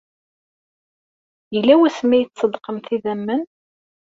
Yella wasmi ay tṣeddqemt idammen?